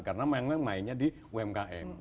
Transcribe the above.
karena mainnya di umkm